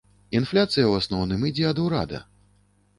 Інфляцыя ў асноўным ідзе ад урада.